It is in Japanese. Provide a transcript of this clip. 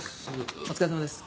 お疲れさまです。